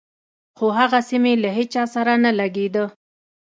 خو هغسې مې له هېچا سره نه لګېده.